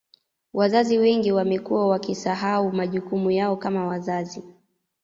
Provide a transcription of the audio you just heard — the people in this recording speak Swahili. Wazazi wengi wamekuwa wakisahau majukumu yao kama wazazi